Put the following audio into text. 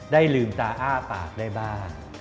ลืมตาอ้าปากได้บ้าง